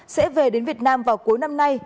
sẽ về đến việt nam vào cuối năm nay